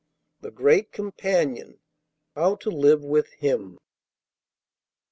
"The Great Companion: How to Live with Him."